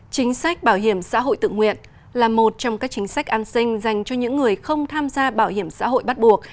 chính sách bảo hiểm xã hội tự nguyện là một trong các chính sách an sinh dành cho những người không tham gia bảo hiểm xã hội bắt buộc